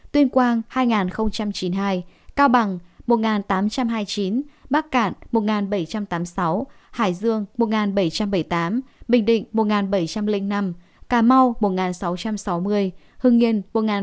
tuyên quang hai chín mươi hai cao bằng một tám trăm hai mươi chín bắc cạn một bảy trăm tám mươi sáu hải dương một bảy trăm bảy mươi tám bình định một bảy trăm linh năm cà mau một sáu trăm sáu mươi hưng yên một bốn trăm chín mươi ba